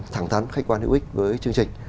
thẳng thắn khách quan hữu ích với chương trình